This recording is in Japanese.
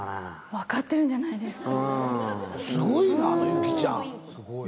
分かってるんじゃないですか？